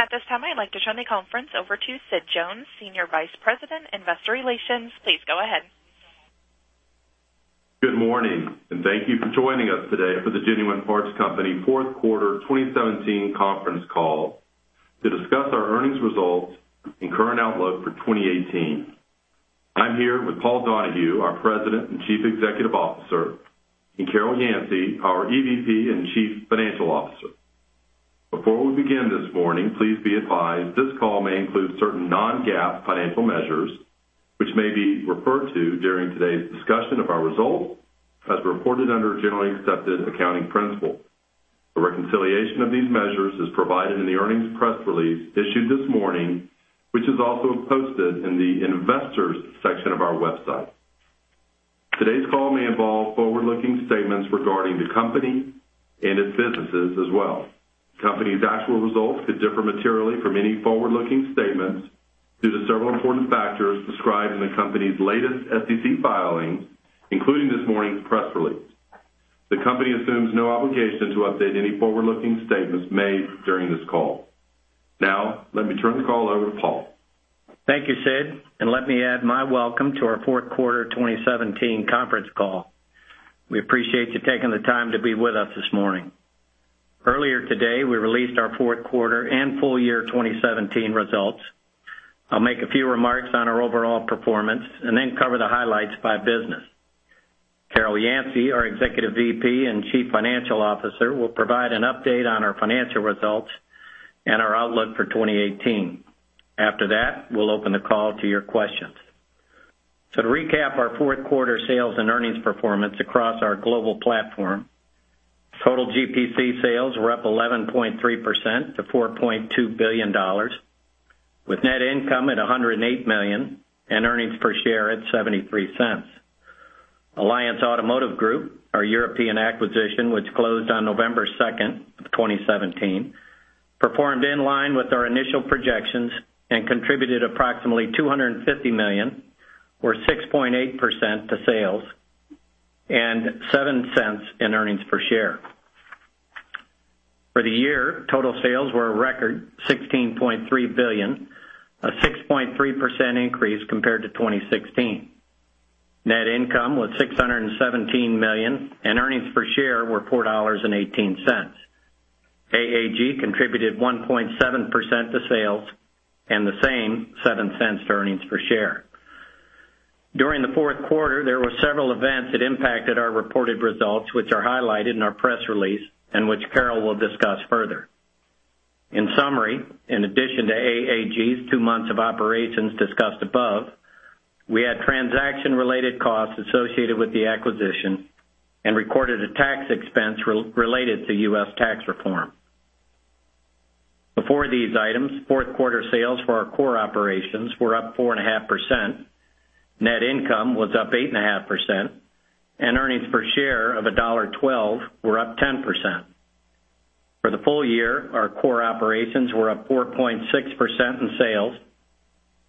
At this time, I'd like to turn the conference over to Sid Jones, Senior Vice President, Investor Relations. Please go ahead. Good morning, thank you for joining us today for the Genuine Parts Company fourth quarter 2017 conference call to discuss our earnings results and current outlook for 2018. I'm here with Paul Donahue, our President and Chief Executive Officer, and Carol Yancey, our EVP and Chief Financial Officer. Before we begin this morning, please be advised this call may include certain non-GAAP financial measures, which may be referred to during today's discussion of our results as reported under generally accepted accounting principles. A reconciliation of these measures is provided in the earnings press release issued this morning, which is also posted in the investors section of our website. Today's call may involve forward-looking statements regarding the company and its businesses as well. The company's actual results could differ materially from any forward-looking statements due to several important factors described in the company's latest SEC filings, including this morning's press release. The company assumes no obligation to update any forward-looking statements made during this call. Let me turn the call over to Paul. Thank you, Sid, let me add my welcome to our fourth quarter 2017 conference call. We appreciate you taking the time to be with us this morning. Earlier today, we released our fourth quarter and full year 2017 results. I'll make a few remarks on our overall performance then cover the highlights by business. Carol Yancey, our Executive VP and Chief Financial Officer, will provide an update on our financial results and our outlook for 2018. After that, we'll open the call to your questions. To recap our fourth quarter sales and earnings performance across our global platform, total GPC sales were up 11.3% to $4.2 billion, with net income at $108 million and earnings per share at $0.73. Alliance Automotive Group, our European acquisition, which closed on November 2, 2017, performed in line with our initial projections and contributed approximately $250 million or 6.8% to sales and $0.07 in earnings per share. For the year, total sales were a record $16.3 billion, a 6.3% increase compared to 2016. Net income was $617 million, and earnings per share were $4.18. AAG contributed 1.7% to sales and the same $0.07 to earnings per share. During the fourth quarter, there were several events that impacted our reported results, which are highlighted in our press release and which Carol will discuss further. In summary, in addition to AAG's two months of operations discussed above, we had transaction-related costs associated with the acquisition and recorded a tax expense related to US tax reform. Before these items, fourth quarter sales for our core operations were up 4.5%. Net income was up 8.5%, and earnings per share of $1.12 were up 10%. For the full year, our core operations were up 4.6% in sales.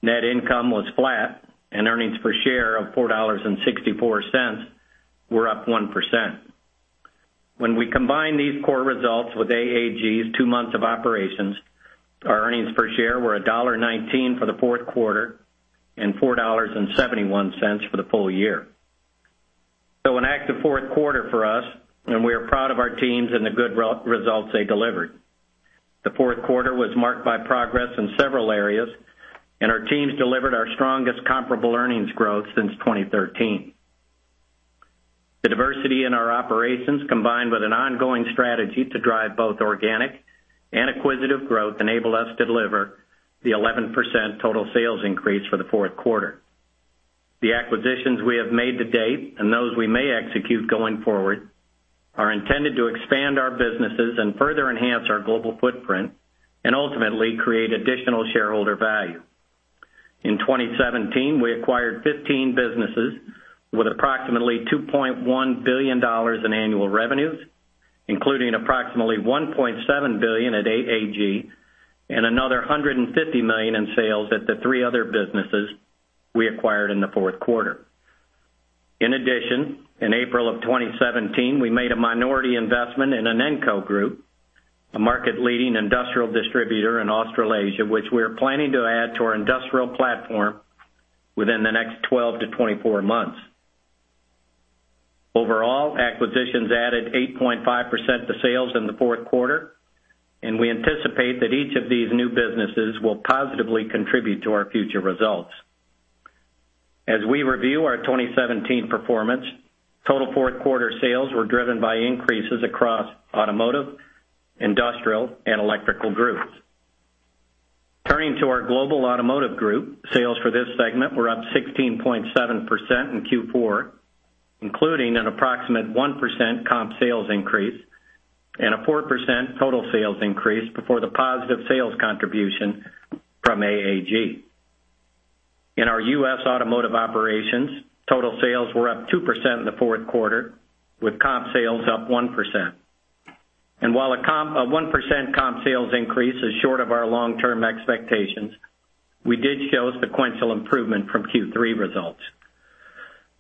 Net income was flat, and earnings per share of $4.64 were up 1%. When we combine these core results with AAG's two months of operations, our earnings per share were $1.19 for the fourth quarter and $4.71 for the full year. An active fourth quarter for us, and we are proud of our teams and the good results they delivered. The fourth quarter was marked by progress in several areas, and our teams delivered our strongest comparable earnings growth since 2013. The diversity in our operations, combined with an ongoing strategy to drive both organic and acquisitive growth, enabled us to deliver the 11% total sales increase for the fourth quarter. The acquisitions we have made to date and those we may execute going forward are intended to expand our businesses and further enhance our global footprint and ultimately create additional shareholder value. In 2017, we acquired 15 businesses with approximately $2.1 billion in annual revenues, including approximately $1.7 billion at AAG and another $150 million in sales at the three other businesses we acquired in the fourth quarter. In addition, in April of 2017, we made a minority investment in the Inenco Group, a market-leading industrial distributor in Australasia, which we are planning to add to our industrial platform within the next 12 to 24 months. Overall, acquisitions added 8.5% to sales in the fourth quarter, and we anticipate that each of these new businesses will positively contribute to our future results. As we review our 2017 performance, total fourth quarter sales were driven by increases across automotive, industrial, and electrical groups. Turning to our global automotive group, sales for this segment were up 16.7% in Q4, including an approximate 1% comp sales increase and a 4% total sales increase before the positive sales contribution from AAG. In our US automotive operations, total sales were up 2% in the fourth quarter, with comp sales up 1%. While a 1% comp sales increase is short of our long-term expectations, we did show sequential improvement from Q3 results.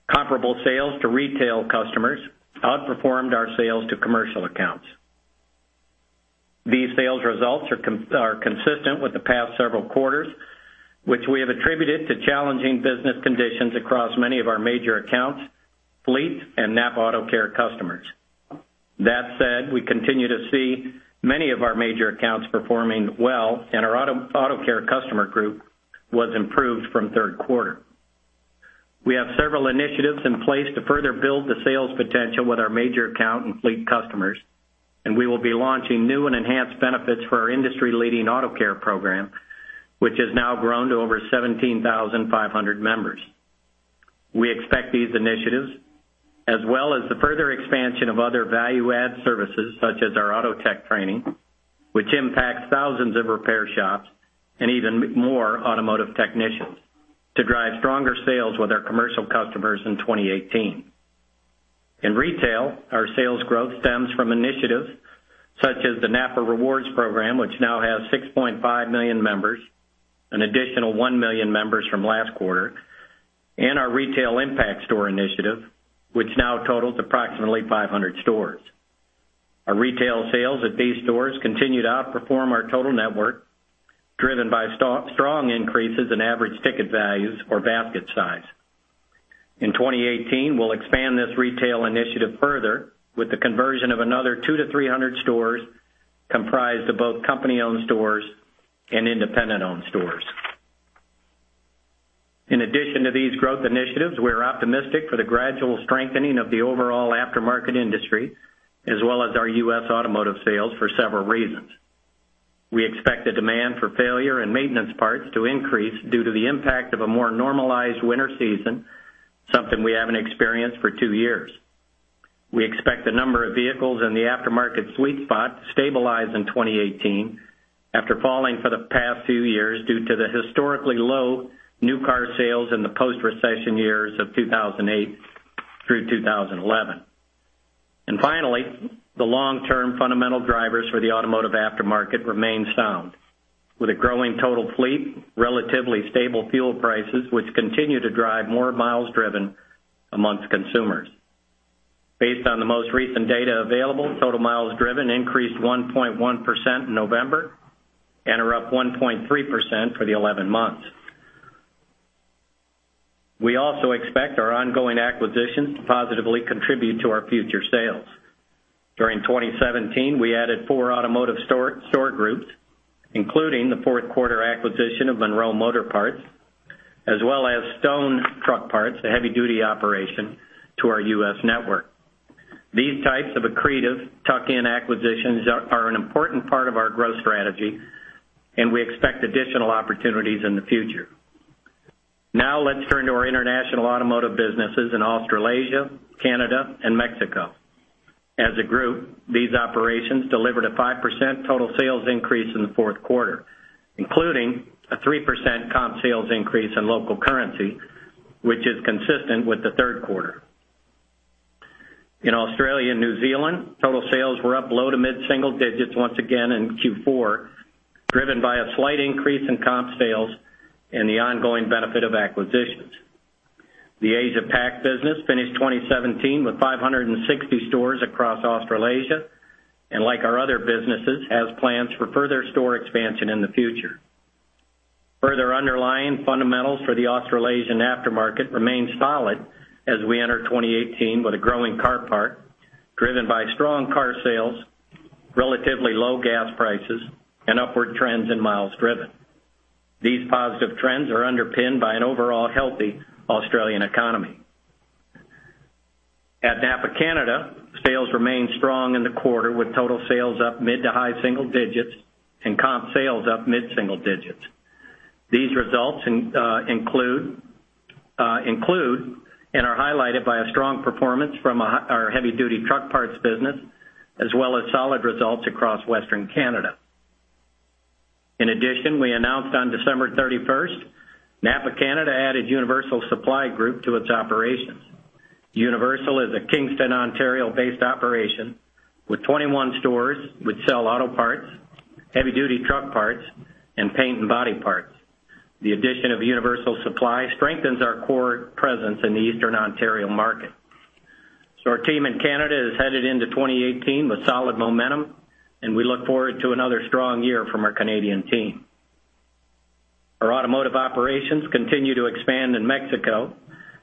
Comparable sales to retail customers outperformed our sales to commercial accounts. These sales results are consistent with the past several quarters, which we have attributed to challenging business conditions across many of our major accounts, fleet, and NAPA AutoCare customers. That said, we continue to see many of our major accounts performing well, and our AutoCare customer group was improved from the third quarter. We have several initiatives in place to further build the sales potential with our major account and fleet customers, and we will be launching new and enhanced benefits for our industry-leading AutoCare program, which has now grown to over 17,500 members. We expect these initiatives, as well as the further expansion of other value-add services such as our AutoTech training, which impacts thousands of repair shops and even more automotive technicians, to drive stronger sales with our commercial customers in 2018. In retail, our sales growth stems from initiatives such as the NAPA Rewards program, which now has 6.5 million members, an additional 1 million members from last quarter, and our Retail Impact Store initiative, which now totals approximately 500 stores. Our retail sales at these stores continue to outperform our total network, driven by strong increases in average ticket values or basket size. In 2018, we'll expand this retail initiative further with the conversion of another 200-300 stores, comprised of both company-owned stores and independent-owned stores. In addition to these growth initiatives, we're optimistic for the gradual strengthening of the overall aftermarket industry, as well as our U.S. automotive sales for several reasons. We expect the demand for failure and maintenance parts to increase due to the impact of a more normalized winter season, something we haven't experienced for two years. We expect the number of vehicles in the aftermarket sweet spot to stabilize in 2018 after falling for the past few years due to the historically low new car sales in the post-recession years of 2008 through 2011. Finally, the long-term fundamental drivers for the automotive aftermarket remain sound. With a growing total fleet, relatively stable fuel prices, which continue to drive more miles driven amongst consumers. Based on the most recent data available, total miles driven increased 1.1% in November and are up 1.3% for the 11 months. We also expect our ongoing acquisitions to positively contribute to our future sales. During 2017, we added four automotive store groups, including the fourth quarter acquisition of Monroe Motor Products, as well as Stone Truck Parts, a heavy-duty operation, to our U.S. network. These types of accretive tuck-in acquisitions are an important part of our growth strategy, and we expect additional opportunities in the future. Now let's turn to our international automotive businesses in Australasia, Canada, and Mexico. As a group, these operations delivered a 5% total sales increase in the fourth quarter, including a 3% comp sales increase in local currency, which is consistent with the third quarter. In Australia and New Zealand, total sales were up low to mid-single digits once again in Q4, driven by a slight increase in comp sales and the ongoing benefit of acquisitions. The Asia-Pac business finished 2017 with 560 stores across Australasia, and like our other businesses, has plans for further store expansion in the future. Further underlying fundamentals for the Australasian aftermarket remain solid as we enter 2018 with a growing car part driven by strong car sales, relatively low gas prices, and upward trends in miles driven. These positive trends are underpinned by an overall healthy Australian economy. At NAPA Canada, sales remained strong in the quarter, with total sales up mid to high single digits and comp sales up mid-single digits. These results include and are highlighted by a strong performance from our heavy-duty truck parts business, as well as solid results across Western Canada. On December 31, NAPA Canada added Universal Supply Group to its operations. Universal is a Kingston, Ontario-based operation with 21 stores which sell auto parts, heavy-duty truck parts, and paint and body parts. The addition of Universal Supply strengthens our core presence in the Eastern Ontario market. Our team in Canada is headed into 2018 with solid momentum, and we look forward to another strong year from our Canadian team. Our automotive operations continue to expand in Mexico,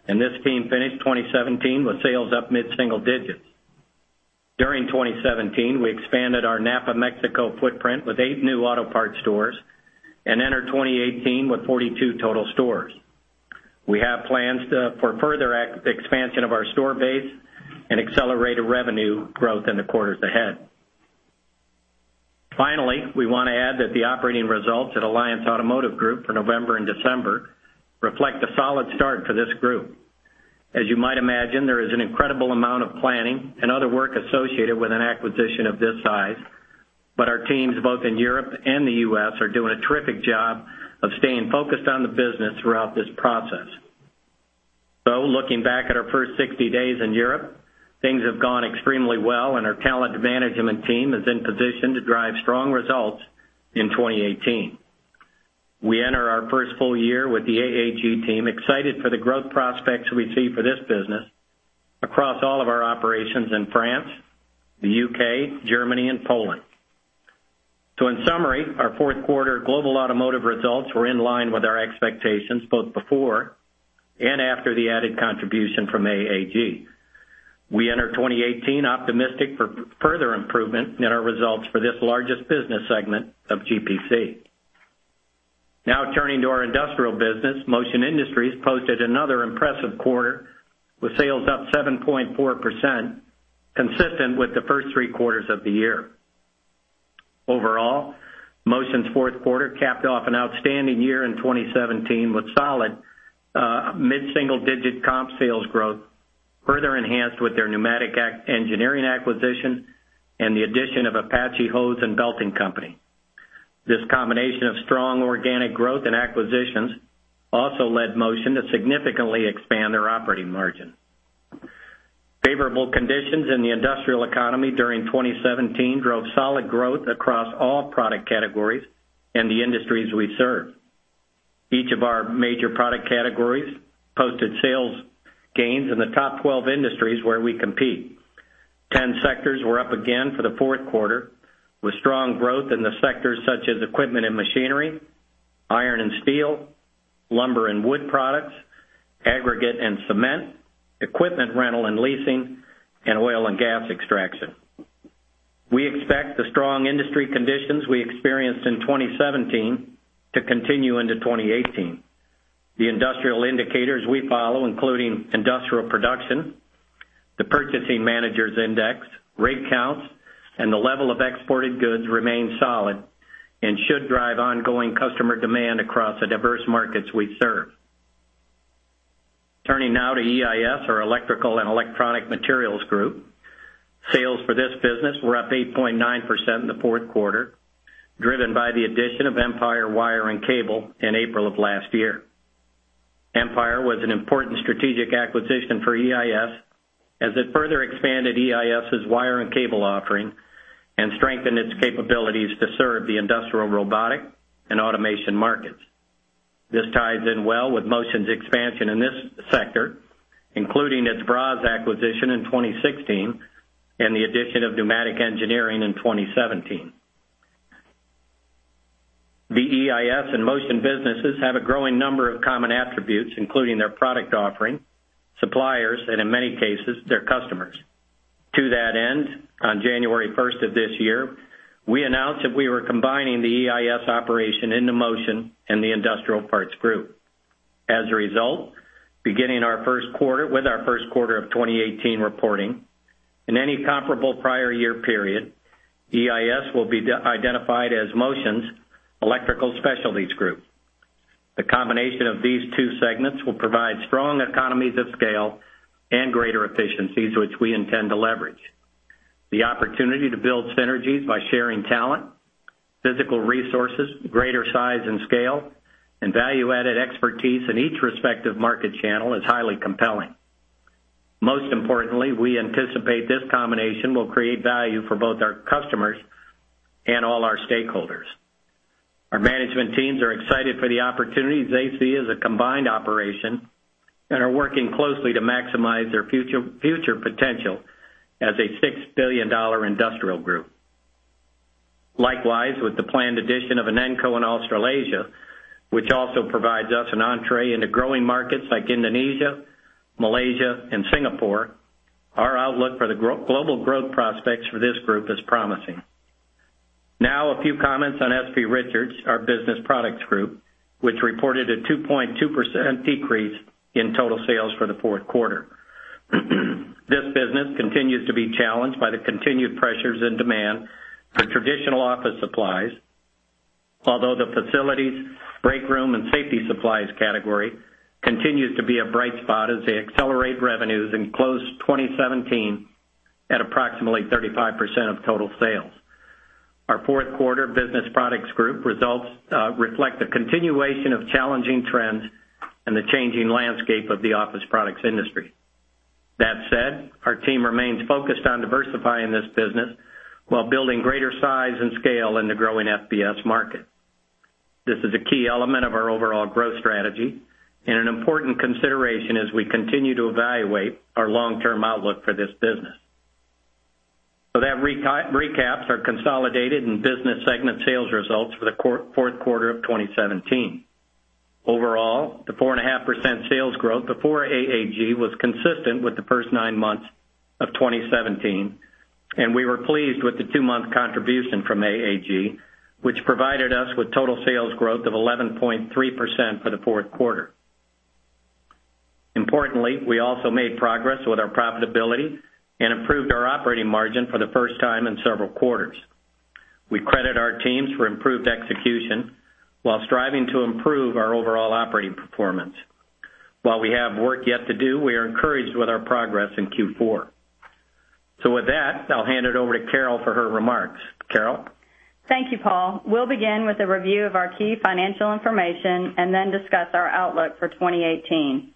and this team finished 2017 with sales up mid-single digits. During 2017, we expanded our NAPA Mexico footprint with eight new auto parts stores and entered 2018 with 42 total stores. We have plans for further expansion of our store base and accelerated revenue growth in the quarters ahead. We want to add that the operating results at Alliance Automotive Group for November and December reflect a solid start for this group. As you might imagine, there is an incredible amount of planning and other work associated with an acquisition of this size, but our teams both in Europe and the U.S. are doing a terrific job of staying focused on the business throughout this process. Looking back at our first 60 days in Europe, things have gone extremely well, and our talented management team is in position to drive strong results in 2018. We enter our first full year with the AAG team excited for the growth prospects we see for this business across all of our operations in France, the U.K., Germany, and Poland. In summary, our fourth quarter global automotive results were in line with our expectations, both before and after the added contribution from AAG. We enter 2018 optimistic for further improvement in our results for this largest business segment of GPC. Turning to our industrial business, Motion Industries posted another impressive quarter with sales up 7.4%, consistent with the first three quarters of the year. Motion's fourth quarter capped off an outstanding year in 2017 with solid mid-single-digit comp sales growth, further enhanced with their Pneumatic Engineering acquisition and the addition of Apache Hose and Belting Company. This combination of strong organic growth and acquisitions also led Motion to significantly expand their operating margin. Favorable conditions in the industrial economy during 2017 drove solid growth across all product categories and the industries we serve. Each of our major product categories posted sales gains in the top 12 industries where we compete. Ten sectors were up again for the fourth quarter, with strong growth in the sectors such as equipment and machinery, iron and steel, lumber and wood products, aggregate and cement, equipment rental and leasing, and oil and gas extraction. We expect the strong industry conditions we experienced in 2017 to continue into 2018. The industrial indicators we follow, including industrial production, the Purchasing Managers' Index, rig counts, and the level of exported goods remain solid and should drive ongoing customer demand across the diverse markets we serve. To EIS, our Electrical and Electronic Materials Group. Sales for this business were up 8.9% in the fourth quarter, driven by the addition of Empire Wire and Supply in April of last year. Empire was an important strategic acquisition for EIS, as it further expanded EIS' wire and cable offering and strengthened its capabilities to serve the industrial, robotic, and automation markets. This ties in well with Motion's expansion in this sector, including its Braas Company acquisition in 2016 and the addition of Pneumatic Engineering in 2017. The EIS and Motion businesses have a growing number of common attributes, including their product offering, suppliers, and in many cases, their customers. To that end, on January 1st of this year, we announced that we were combining the EIS operation into Motion and the Industrial Parts Group. Beginning with our first quarter of 2018 reporting, in any comparable prior year period, EIS will be identified as Motion's Electrical Specialties Group. The combination of these two segments will provide strong economies of scale and greater efficiencies, which we intend to leverage. The opportunity to build synergies by sharing talent, physical resources, greater size and scale, and value-added expertise in each respective market channel is highly compelling. We anticipate this combination will create value for both our customers and all our stakeholders. Our management teams are excited for the opportunities they see as a combined operation and are working closely to maximize their future potential as a $6 billion industrial group. With the planned addition of Inenco in Australasia, which also provides us an entrée into growing markets like Indonesia, Malaysia, and Singapore, our outlook for the global growth prospects for this group is promising. A few comments on S.P. Richards, our Business Products Group, which reported a 2.2% decrease in total sales for the fourth quarter. This business continues to be challenged by the continued pressures in demand for traditional office supplies. Although the facilities, breakroom, and safety supplies category continues to be a bright spot as they accelerate revenues and close 2017 at approximately 35% of total sales. Our fourth quarter Business Products Group results reflect the continuation of challenging trends and the changing landscape of the office products industry. Our team remains focused on diversifying this business while building greater size and scale in the growing FBS market. This is a key element of our overall growth strategy and an important consideration as we continue to evaluate our long-term outlook for this business. That recaps our consolidated and business segment sales results for the fourth quarter of 2017. Overall, the 4.5% sales growth before AAG was consistent with the first nine months of 2017, and we were pleased with the two-month contribution from AAG, which provided us with total sales growth of 11.3% for the fourth quarter. We also made progress with our profitability and improved our operating margin for the first time in several quarters. We credit our teams for improved execution while striving to improve our overall operating performance. While we have work yet to do, we are encouraged with our progress in Q4. With that, I'll hand it over to Carol for her remarks. Carol? Thank you, Paul. We'll begin with a review of our key financial information and then discuss our outlook for 2018.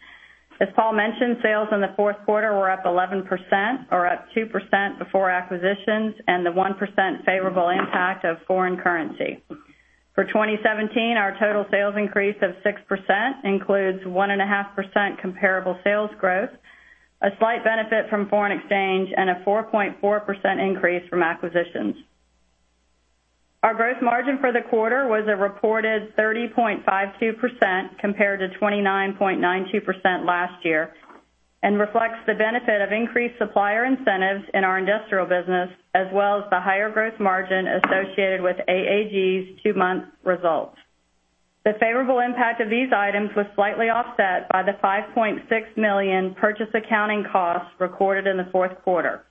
As Paul mentioned, sales in the fourth quarter were up 11%, or up 2% before acquisitions, and the 1% favorable impact of foreign currency. For 2017, our total sales increase of 6% includes 1.5% comparable sales growth, a slight benefit from foreign exchange, and a 4.4% increase from acquisitions. Our gross margin for the quarter was a reported 30.52%, compared to 29.92% last year, and reflects the benefit of increased supplier incentives in our industrial business as well as the higher gross margin associated with AAG's two-month results. The favorable impact of these items was slightly offset by the $5.6 million purchase accounting costs recorded in the fourth quarter.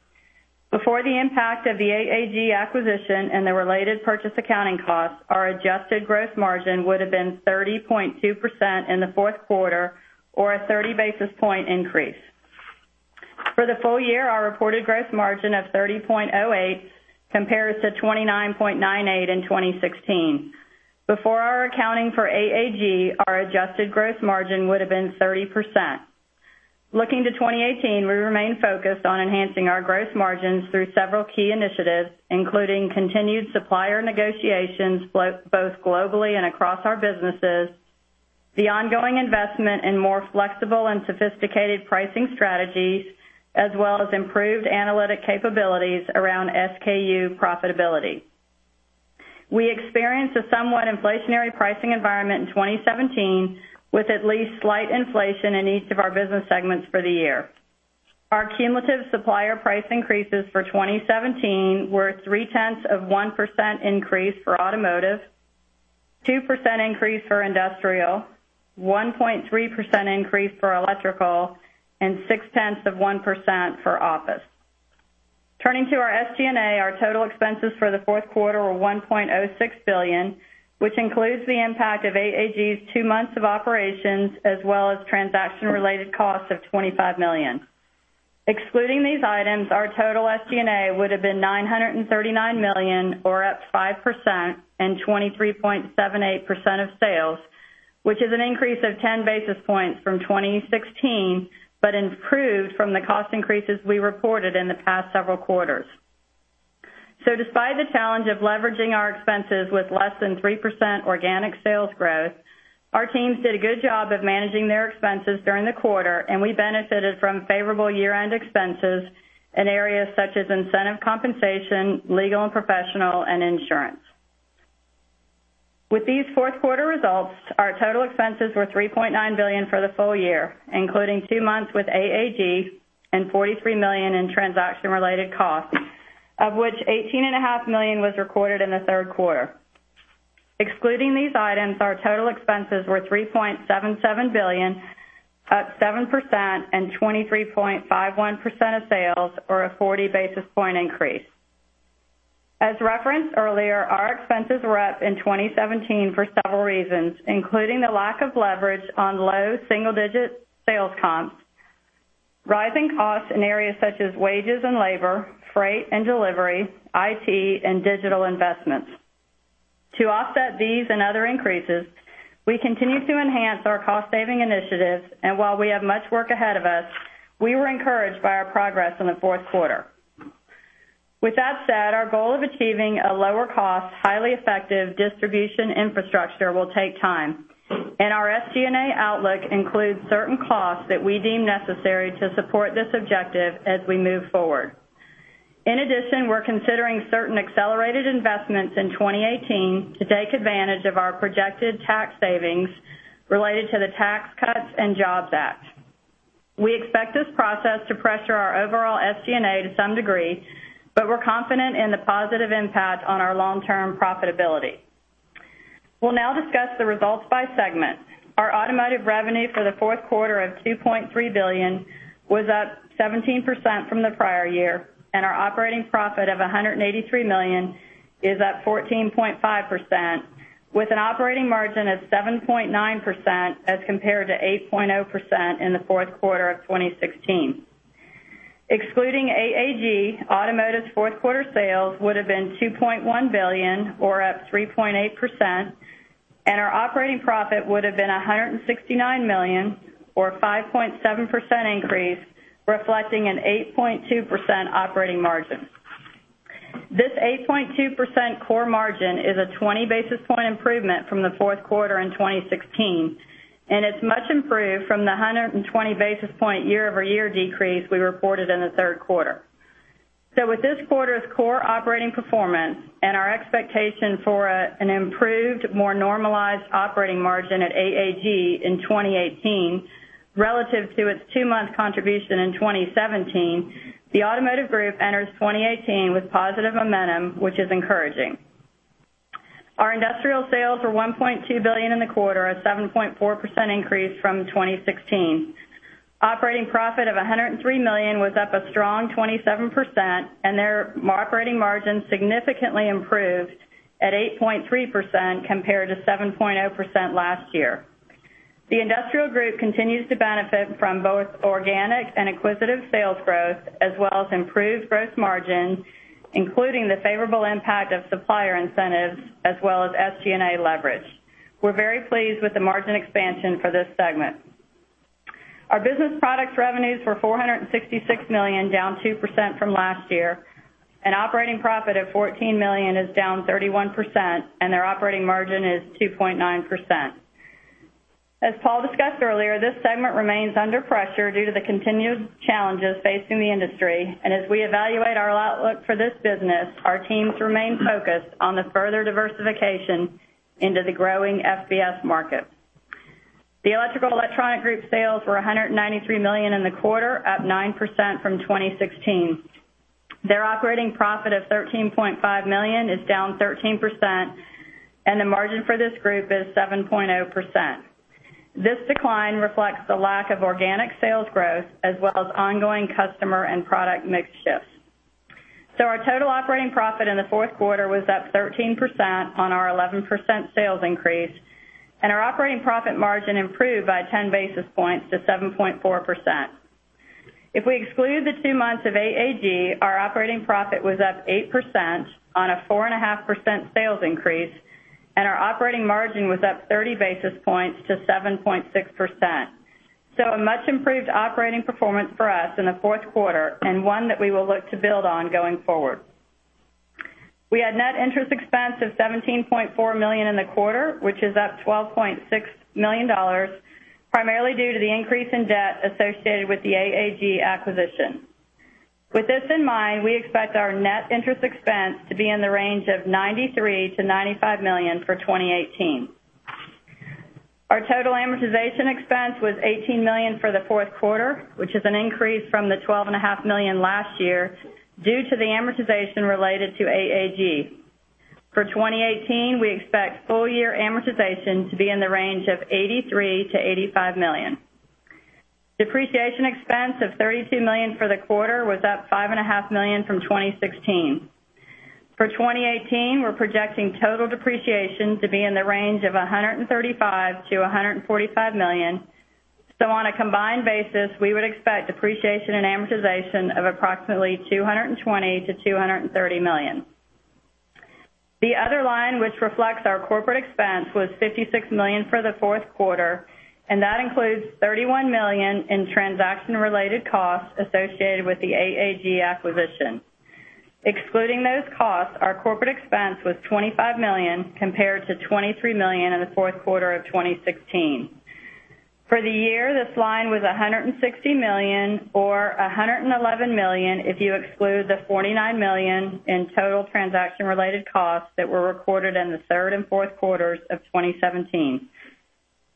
Before the impact of the AAG acquisition and the related purchase accounting costs, our adjusted gross margin would have been 30.2% in the fourth quarter or a 30-basis point increase. For the full year, our reported gross margin of 30.08% compares to 29.98% in 2016. Before our accounting for AAG, our adjusted gross margin would have been 30%. Looking to 2018, we remain focused on enhancing our gross margins through several key initiatives, including continued supplier negotiations both globally and across our businesses, the ongoing investment in more flexible and sophisticated pricing strategies, as well as improved analytic capabilities around SKU profitability. We experienced a somewhat inflationary pricing environment in 2017, with at least slight inflation in each of our business segments for the year. Our cumulative supplier price increases for 2017 were 0.3% increase for automotive, 2% increase for industrial, 1.3% increase for electrical, and 0.6% for office. Turning to our SG&A, our total expenses for the fourth quarter were $1.06 billion, which includes the impact of AAG's two months of operations, as well as transaction-related costs of $25 million. Excluding these items, our total SG&A would have been $939 million, or up 5%, and 23.78% of sales, which is an increase of 10 basis points from 2016, but improved from the cost increases we reported in the past several quarters. Despite the challenge of leveraging our expenses with less than 3% organic sales growth, our teams did a good job of managing their expenses during the quarter, and we benefited from favorable year-end expenses in areas such as incentive compensation, legal and professional, and insurance. With these fourth quarter results, our total expenses were $3.9 billion for the full year, including two months with AAG and $43 million in transaction-related costs, of which $18.5 million was recorded in the third quarter. Excluding these items, our total expenses were $3.77 billion, up 7%, and 23.51% of sales, or a 40-basis point increase. As referenced earlier, our expenses were up in 2017 for several reasons, including the lack of leverage on low single-digit sales comps, rising costs in areas such as wages and labor, freight and delivery, IT, and digital investments. To offset these and other increases, we continue to enhance our cost-saving initiatives, and while we have much work ahead of us, we were encouraged by our progress in the fourth quarter. With that said, our goal of achieving a lower cost, highly effective distribution infrastructure will take time, and our SG&A outlook includes certain costs that we deem necessary to support this objective as we move forward. In addition, we are considering certain accelerated investments in 2018 to take advantage of our projected tax savings related to the Tax Cuts and Jobs Act. We expect this process to pressure our overall SG&A to some degree, but we are confident in the positive impact on our long-term profitability. We will now discuss the results by segment. Our automotive revenue for the fourth quarter of $2.3 billion was up 17% from the prior year, and our operating profit of $183 million is up 14.5%, with an operating margin of 7.9% as compared to 8.0% in the fourth quarter of 2016. Excluding AAG, automotive's fourth quarter sales would have been $2.1 billion or up 3.8%, and our operating profit would have been $169 million or 5.7% increase, reflecting an 8.2% operating margin. This 8.2% core margin is a 20 basis points improvement from the fourth quarter in 2016, and it is much improved from the 120 basis points year-over-year decrease we reported in the third quarter. With this quarter's core operating performance and our expectation for an improved, more normalized operating margin at AAG in 2018 relative to its two-month contribution in 2017, the Automotive Group enters 2018 with positive momentum, which is encouraging. Our industrial sales were $1.2 billion in the quarter, a 7.4% increase from 2016. Operating profit of $103 million was up a strong 27%, and their operating margin significantly improved at 8.3% compared to 7.0% last year. The Industrial Group continues to benefit from both organic and acquisitive sales growth, as well as improved gross margin including the favorable impact of supplier incentives as well as SG&A leverage. We are very pleased with the margin expansion for this segment. Our Business Products Group revenues were $466 million, down 2% from last year, and operating profit of $14 million is down 31%, and our operating margin is 2.9%. As Paul discussed earlier, this segment remains under pressure due to the continued challenges facing the industry, and as we evaluate our outlook for this business, our teams remain focused on the further diversification into the growing FBS market. The Electrical Specialties Group sales were $193 million in the quarter, up 9% from 2016. Their operating profit of $13.5 million is down 13%, and the margin for this group is 7.0%. This decline reflects the lack of organic sales growth as well as ongoing customer and product mix shifts. Our total operating profit in the fourth quarter was up 13% on our 11% sales increase, and our operating profit margin improved by 10 basis points to 7.4%. If we exclude the two months of AAG, our operating profit was up 8% on a 4.5% sales increase, and our operating margin was up 30 basis points to 7.6%. A much-improved operating performance for us in the fourth quarter and one that we will look to build on going forward. We had net interest expense of $17.4 million in the quarter, which is up $12.6 million, primarily due to the increase in debt associated with the AAG acquisition. With this in mind, we expect our net interest expense to be in the range of $93 million-$95 million for 2018. Our total amortization expense was $18 million for the fourth quarter, which is an increase from the $12.5 million last year due to the amortization related to AAG. For 2018, we expect full-year amortization to be in the range of $83 million-$85 million. Depreciation expense of $32 million for the quarter was up $5.5 million from 2016. For 2018, we're projecting total depreciation to be in the range of $135 million-$145 million. On a combined basis, we would expect depreciation and amortization of approximately $220 million-$230 million. The other line, which reflects our corporate expense, was $56 million for the fourth quarter, and that includes $31 million in transaction-related costs associated with the AAG acquisition. Excluding those costs, our corporate expense was $25 million, compared to $23 million in the fourth quarter of 2016. For the year, this line was $160 million, or $111 million if you exclude the $49 million in total transaction-related costs that were recorded in the third and fourth quarters of 2017.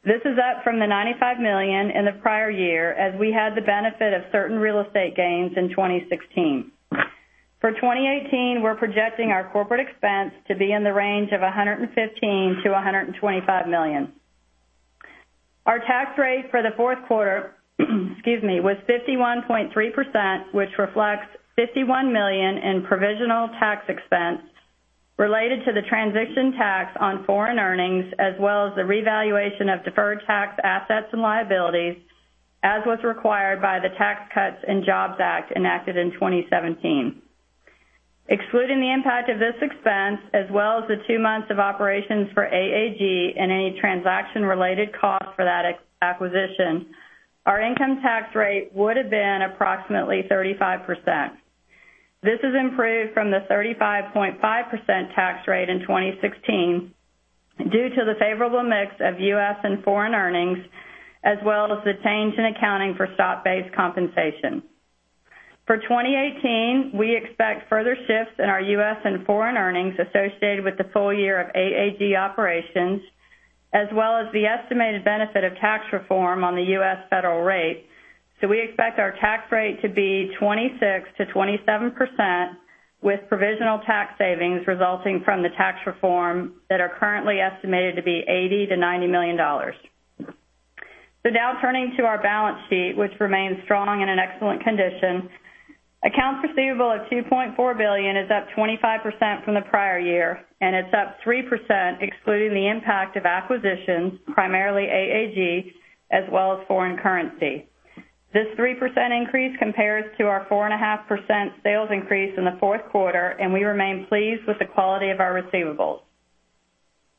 This is up from the $95 million in the prior year, as we had the benefit of certain real estate gains in 2016. For 2018, we're projecting our corporate expense to be in the range of $115 million-$125 million. Our tax rate for the fourth quarter was 51.3%, which reflects $51 million in provisional tax expense related to the transition tax on foreign earnings, as well as the revaluation of deferred tax assets and liabilities, as was required by the Tax Cuts and Jobs Act enacted in 2017. Excluding the impact of this expense, as well as the two months of operations for AAG and any transaction-related costs for that acquisition, our income tax rate would've been approximately 35%. This has improved from the 35.5% tax rate in 2016 due to the favorable mix of U.S. and foreign earnings, as well as the change in accounting for stock-based compensation. For 2018, we expect further shifts in our U.S. and foreign earnings associated with the full year of AAG operations, as well as the estimated benefit of tax reform on the U.S. federal rate. We expect our tax rate to be 26%-27%, with provisional tax savings resulting from the tax reform that are currently estimated to be $80 million-$90 million. Now turning to our balance sheet, which remains strong and in excellent condition. Accounts receivable of $2.4 billion is up 25% from the prior year, and it's up 3% excluding the impact of acquisitions, primarily AAG, as well as foreign currency. This 3% increase compares to our 4.5% sales increase in the fourth quarter, and we remain pleased with the quality of our receivables.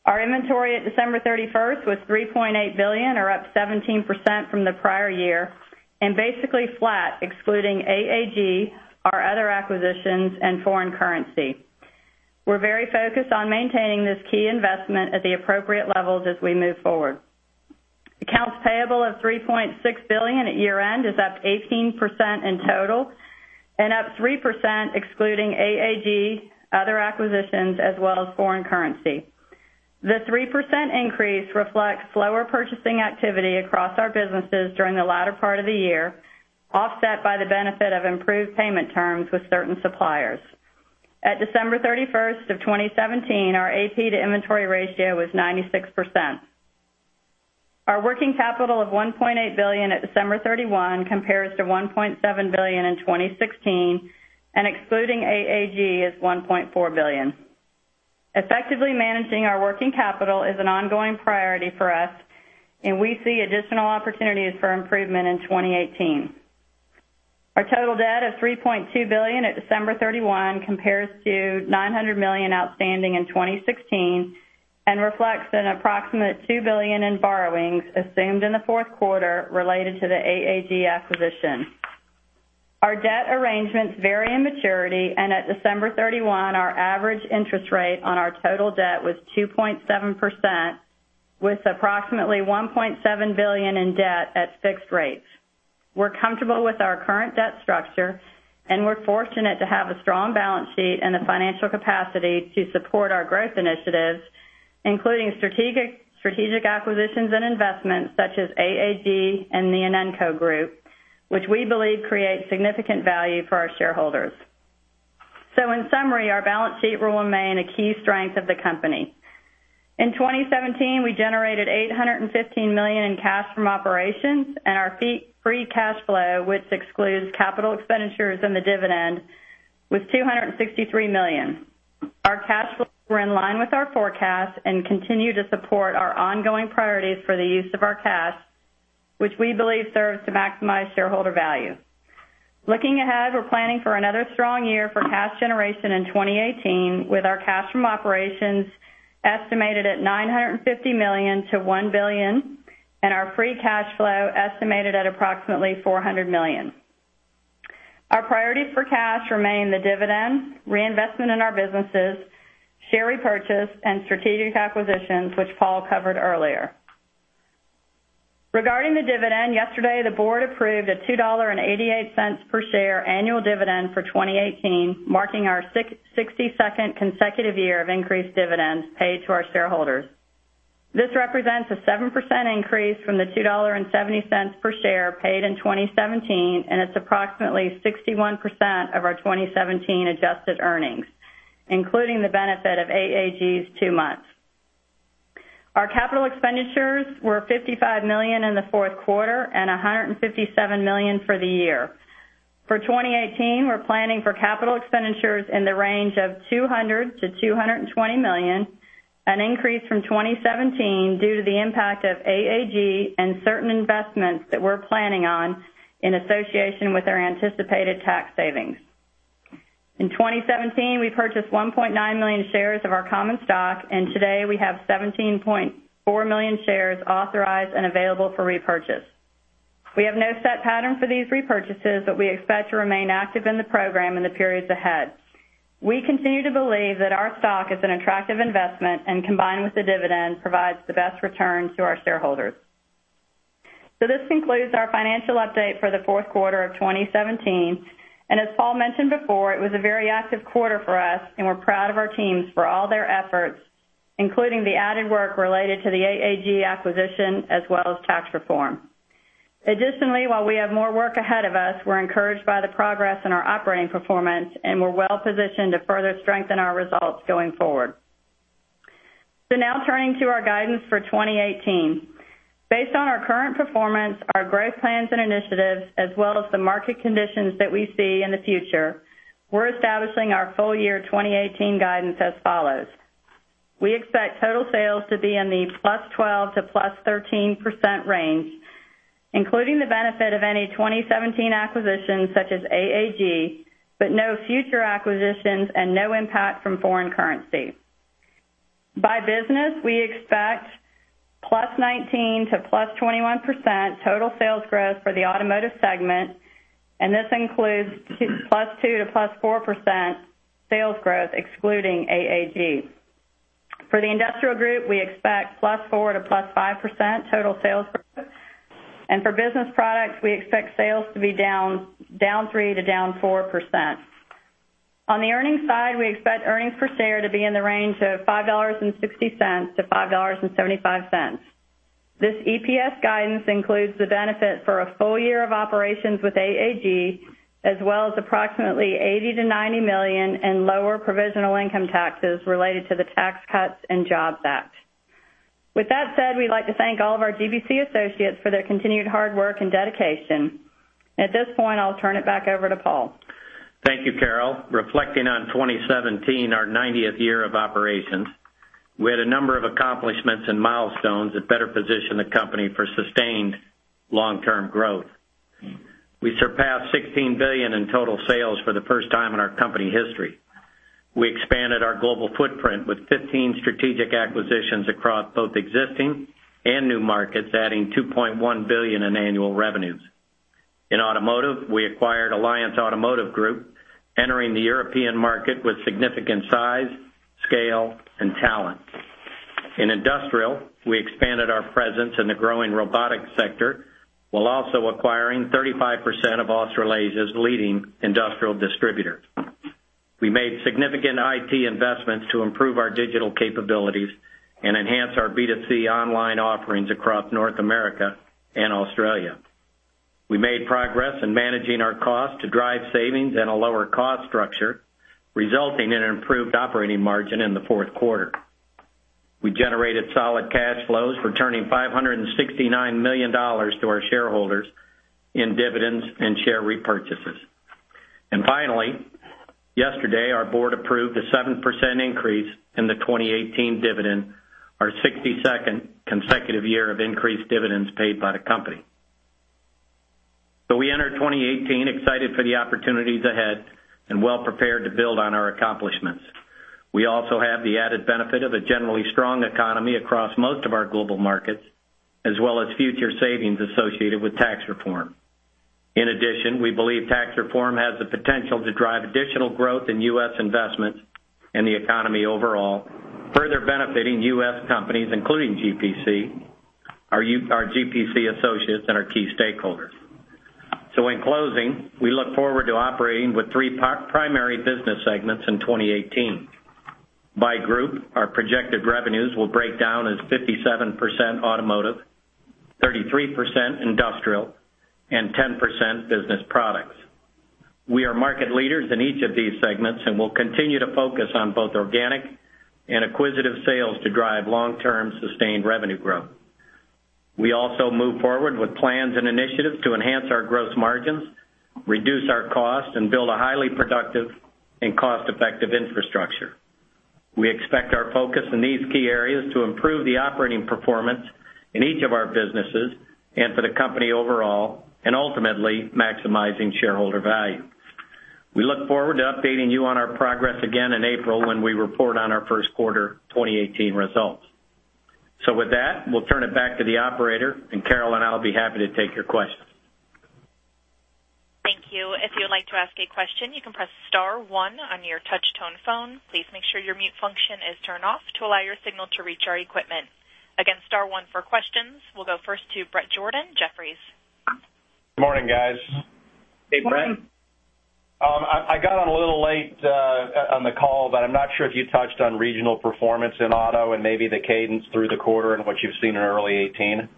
Our inventory at December 31st was $3.8 billion, or up 17% from the prior year, and basically flat excluding AAG, our other acquisitions, and foreign currency. We're very focused on maintaining this key investment at the appropriate levels as we move forward. Accounts payable of $3.6 billion at year-end is up 18% in total and up 3% excluding AAG, other acquisitions, as well as foreign currency. The 3% increase reflects slower purchasing activity across our businesses during the latter part of the year, offset by the benefit of improved payment terms with certain suppliers. At December 31, 2017, our AP to inventory ratio was 96%. Our working capital of $1.8 billion at December 31 compares to $1.7 billion in 2016, and excluding AAG is $1.4 billion. Effectively managing our working capital is an ongoing priority for us, and we see additional opportunities for improvement in 2018. Our total debt of $3.2 billion at December 31 compares to $900 million outstanding in 2016, and reflects an approximate $2 billion in borrowings assumed in the fourth quarter related to the AAG acquisition. Our debt arrangements vary in maturity, and at December 31, our average interest rate on our total debt was 2.7%, with approximately $1.7 billion in debt at fixed rates. We're comfortable with our current debt structure, and we're fortunate to have a strong balance sheet and the financial capacity to support our growth initiatives, including strategic acquisitions and investments such as AAG and the Inenco Group, which we believe create significant value for our shareholders. In summary, our balance sheet will remain a key strength of the company. In 2017, we generated $815 million in cash from operations and our free cash flow, which excludes capital expenditures and the dividend, was $263 million. Our cash flows were in line with our forecast and continue to support our ongoing priorities for the use of our cash, which we believe serves to maximize shareholder value. Looking ahead, we're planning for another strong year for cash generation in 2018, with our cash from operations estimated at $950 million to $1 billion, and our free cash flow estimated at approximately $400 million. Our priorities for cash remain the dividend, reinvestment in our businesses, share repurchase, and strategic acquisitions, which Paul covered earlier. Regarding the dividend, yesterday, the board approved a $2.88 per share annual dividend for 2018, marking our 62nd consecutive year of increased dividends paid to our shareholders. This represents a 7% increase from the $2.70 per share paid in 2017, and it's approximately 61% of our 2017 adjusted earnings, including the benefit of AAG's two months. Our capital expenditures were $55 million in the fourth quarter and $157 million for the year. For 2018, we're planning for capital expenditures in the range of $200 million to $220 million, an increase from 2017 due to the impact of AAG and certain investments that we're planning on in association with our anticipated tax savings. In 2017, we purchased 1.9 million shares of our common stock, and today we have 17.4 million shares authorized and available for repurchase. We have no set pattern for these repurchases, but we expect to remain active in the program in the periods ahead. We continue to believe that our stock is an attractive investment, and combined with the dividend, provides the best return to our shareholders. This concludes our financial update for the fourth quarter of 2017. As Paul mentioned before, it was a very active quarter for us, and we're proud of our teams for all their efforts, including the added work related to the AAG acquisition as well as tax reform. Additionally, while we have more work ahead of us, we're encouraged by the progress in our operating performance, and we're well-positioned to further strengthen our results going forward. Now turning to our guidance for 2018. Based on our current performance, our growth plans and initiatives, as well as the market conditions that we see in the future, we are establishing our full year 2018 guidance as follows. We expect total sales to be in the +12% to +13% range, including the benefit of any 2017 acquisitions such as AAG, but no future acquisitions and no impact from foreign currency. By business, we expect +19% to +21% total sales growth for the Automotive segment, and this includes +2% to +4% sales growth excluding AAG. For the Industrial Group, we expect +4% to +5% total sales growth, and for Business Products, we expect sales to be down -3% to -4%. On the earnings side, we expect earnings per share to be in the range of $5.60 to $5.75. This EPS guidance includes the benefit for a full year of operations with AAG, as well as approximately $80 million to $90 million in lower provisional income taxes related to the Tax Cuts and Jobs Act. With that said, we would like to thank all of our GPC associates for their continued hard work and dedication. At this point, I will turn it back over to Paul. Thank you, Carol. Reflecting on 2017, our 90th year of operations, we had a number of accomplishments and milestones that better position the company for sustained long-term growth. We surpassed $16 billion in total sales for the first time in our company history. We expanded our global footprint with 15 strategic acquisitions across both existing and new markets, adding $2.1 billion in annual revenues. In Automotive, we acquired Alliance Automotive Group, entering the European market with significant size, scale, and talent. In Industrial, we expanded our presence in the growing robotics sector, while also acquiring 35% of Australasia's leading industrial distributor. We made significant IT investments to improve our digital capabilities and enhance our B2C online offerings across North America and Australia. We made progress in managing our costs to drive savings and a lower cost structure, resulting in an improved operating margin in the fourth quarter. We generated solid cash flows, returning $569 million to our shareholders in dividends and share repurchases. Finally, yesterday, our board approved a 7% increase in the 2018 dividend, our 62nd consecutive year of increased dividends paid by the company. We enter 2018 excited for the opportunities ahead and well-prepared to build on our accomplishments. We also have the added benefit of a generally strong economy across most of our global markets, as well as future savings associated with tax reform. In addition, we believe tax reform has the potential to drive additional growth in U.S. investments and the economy overall, further benefiting U.S. companies, including GPC, our GPC associates, and our key stakeholders. In closing, we look forward to operating with three primary business segments in 2018. By group, our projected revenues will break down as 57% Automotive, 33% Industrial, and 10% Business Products. We are market leaders in each of these segments and will continue to focus on both organic and acquisitive sales to drive long-term sustained revenue growth. We also move forward with plans and initiatives to enhance our gross margins, reduce our costs, and build a highly productive and cost-effective infrastructure. We expect our focus in these key areas to improve the operating performance in each of our businesses and for the company overall, and ultimately maximizing shareholder value. We look forward to updating you on our progress again in April when we report on our first quarter 2018 results. With that, we'll turn it back to the operator, and Carol and I will be happy to take your questions. Thank you. If you would like to ask a question, you can press *1 on your touch-tone phone. Please make sure your mute function is turned off to allow your signal to reach our equipment. Again, *1 for questions. We'll go first to Bret Jordan, Jefferies. Good morning, guys. Hey, Bret. I got on a little late on the call. I'm not sure if you touched on regional performance in auto and maybe the cadence through the quarter and what you've seen in early 2018.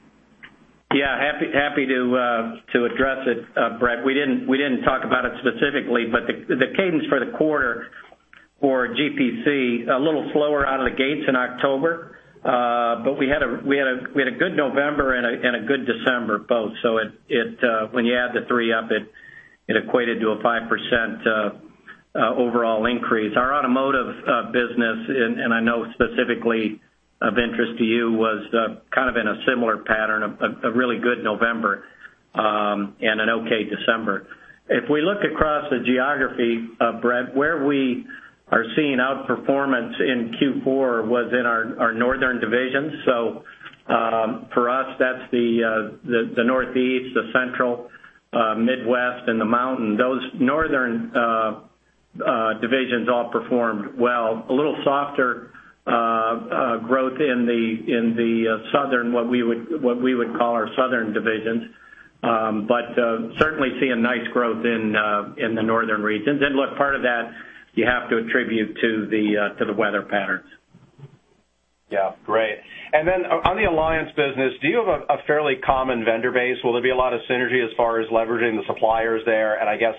Happy to address it, Bret. We didn't talk about it specifically. The cadence for the quarter for GPC, a little slower out of the gates in October. We had a good November and a good December both. When you add the three up, it equated to a 5% overall increase. Our automotive business, and I know specifically of interest to you, was kind of in a similar pattern of a really good November and an okay December. If we look across the geography, Bret, where we are seeing outperformance in Q4 was in our northern divisions. For us, that's the Northeast, the Central Midwest, and the Mountain. Those northern divisions all performed well. A little softer growth in the southern, what we would call our southern divisions. Certainly seeing nice growth in the northern regions. Look, part of that, you have to attribute to the weather patterns. Great. Then on the Alliance business, do you have a fairly common vendor base? Will there be a lot of synergy as far as leveraging the suppliers there? I guess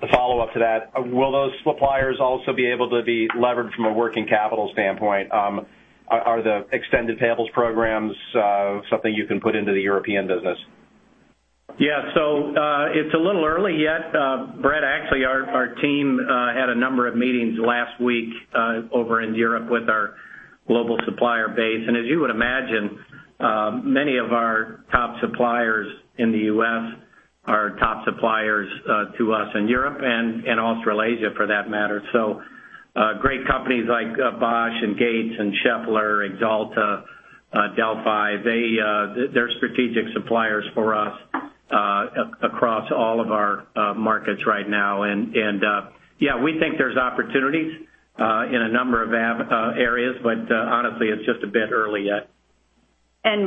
the follow-up to that, will those suppliers also be able to be leveraged from a working capital standpoint? Are the extended payables programs something you can put into the European business? Yeah. It's a little early yet. Bret, actually, our team had a number of meetings last week over in Europe with our global supplier base. As you would imagine, many of our top suppliers in the U.S. are top suppliers to us in Europe and Australasia, for that matter. Great companies like Bosch and Gates and Schaeffler, Axalta, Delphi, they're strategic suppliers for us across all of our markets right now. Yeah, we think there's opportunities in a number of areas, but honestly, it's just a bit early yet.